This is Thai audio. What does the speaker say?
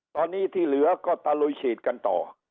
ตอนนี้ที่เหลือก็ตะลุยฉีดกันต่อ